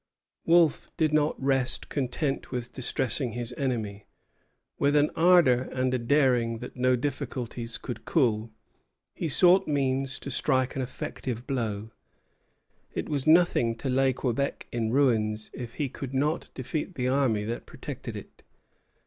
Wolfe did not rest content with distressing his enemy. With an ardor and a daring that no difficulties could cool, he sought means to strike an effective blow. It was nothing to lay Quebec in ruins if he could not defeat the army that protected it.